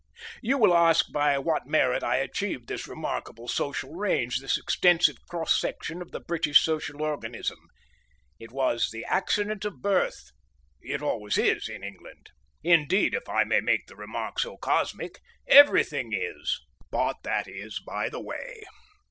You will ask by what merit I achieved this remarkable social range, this extensive cross section of the British social organism. It was the Accident of Birth. It always is in England. Indeed, if I may make the remark so cosmic, everything is. But that is by the way.